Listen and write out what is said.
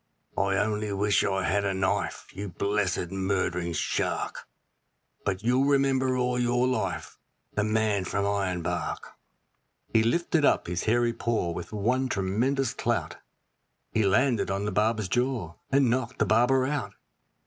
I only wish I had a knife, you blessed murdering shark! But you'll remember all your life, the man from Ironbark.' He lifted up his hairy paw, with one tremendous clout He landed on the barber's jaw, and knocked the barber out.